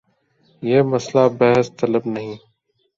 یہ مسئلہ بحث طلب نہیں۔